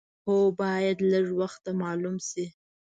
هو باید لږ وخته معلوم شي.